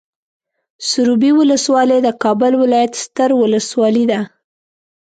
سروبي ولسوالۍ د کابل ولايت ستر ولسوالي ده.